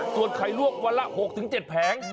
ส่วนไข่ลวกวันละ๖๗แผง